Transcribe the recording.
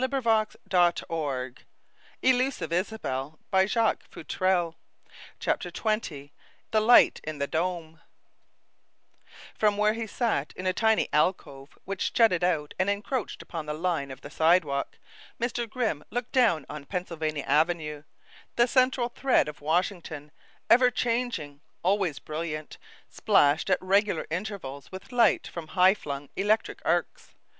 An hour later a tug boat came alongside, and they went aboard. XX THE LIGHT IN THE DOME From where he sat, in a tiny alcove which jutted out and encroached upon the line of the sidewalk, Mr. Grimm looked down on Pennsylvania Avenue, the central thread of Washington, ever changing, always brilliant, splashed at regular intervals with light from high flung electric arcs.